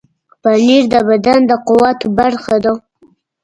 پنېر د بدن د قوت برخه ده.